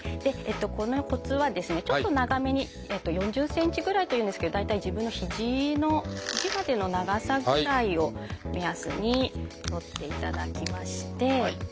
このコツはですねちょっと長めに４０ｃｍぐらいというんですけど大体自分のひじのひじまでの長さぐらいを目安に取っていただきまして。